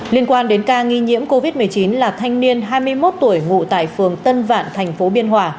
liên quan đến ca nghi nhiễm covid một mươi chín là thanh niên hai mươi một tuổi ngụ tại phường tân vạn thành phố biên hòa